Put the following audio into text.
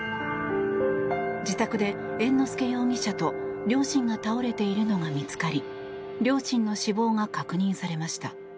自宅で猿之助容疑者と両親が倒れているのが見つかり両親の死亡が確認されました。